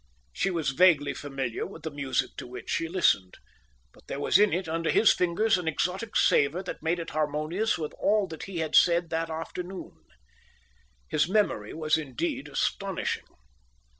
She was vaguely familiar with the music to which she listened; but there was in it, under his fingers, an exotic savour that made it harmonious with all that he had said that afternoon. His memory was indeed astonishing.